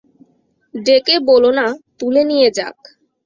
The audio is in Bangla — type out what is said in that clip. ডেকে বলো না তুলে নিয়ে যাক?